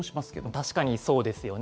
確かにそうですよね。